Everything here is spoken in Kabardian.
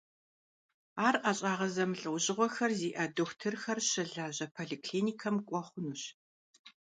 Ар ӀэщӀагъэ зэмылӀэужьыгъуэхэр зиӀэ дохутырхэр щылажьэ поликлиникэм кӀуэ хъунущ.